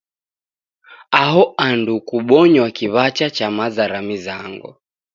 Aho andu kobonywa kiw'acha cha maza ra mizango.